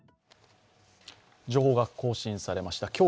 情報が更新されました。